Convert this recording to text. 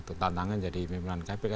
tentangannya jadi pimpinan kpk